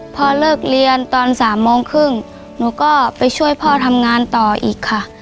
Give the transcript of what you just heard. พอเลิกเรียนตอน๓โมงครึ่งหนูก็ไปช่วยพ่อทำงานต่ออีกค่ะ